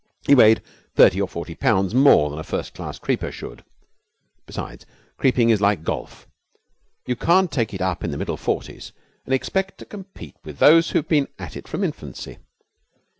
He weighed thirty or forty pounds more than a first class creeper should. Besides, creeping is like golf. You can't take it up in the middle forties and expect to compete with those who have been at it from infancy.